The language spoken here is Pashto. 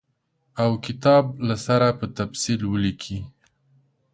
او کتاب له سره په تفصیل ولیکي.